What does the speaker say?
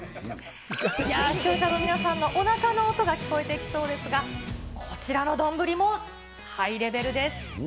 視聴者の皆さんのおなかの音が聞こえてきそうですが、こちらのどんぶりもハイレベルです。